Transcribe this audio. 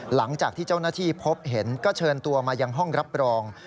หลังจากที่เจ้าหน้าที่พบเห็นก็เชิญตัวมายังห้องรับรอง